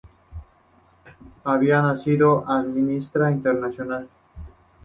Había nacido Amnistía Internacional.